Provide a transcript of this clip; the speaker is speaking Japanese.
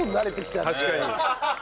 確かに。